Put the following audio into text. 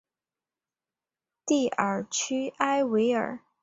蒂尔屈埃维尔。